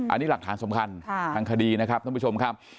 อันนี้หลักฐานสำคัญทางคดีนะครับท่านผู้ชมครับ